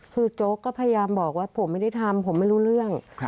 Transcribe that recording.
คือโจ๊กก็พยายามบอกว่าผมไม่ได้ทำผมไม่รู้เรื่อง